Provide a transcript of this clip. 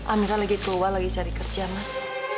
amira lagi keluar lagi cari kerja mas